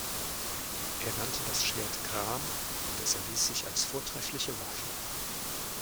Er nannte das Schwert Gram und es erwies sich als vortreffliche Waffe.